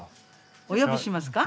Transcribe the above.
お呼びしますか？